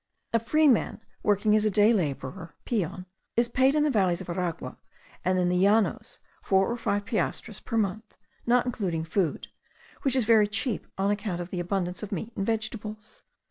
A freeman, working as a day labourer (peon), is paid in the valleys of Aragua and in the llanos four or five piastres per month, not including food, which is very cheap on account of the abundance of meat and vegetables.